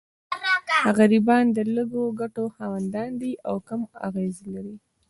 غریبان د لږو ګټو خاوندان دي او کم اغېز لري.